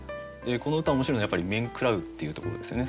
この歌面白いのはやっぱり「面食らう」っていうところですよね。